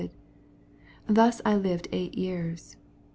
So I lived eight years.